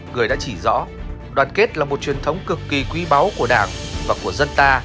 người đã chỉ rõ đoàn kết là một truyền thống cực kỳ quý báu của đảng và của dân ta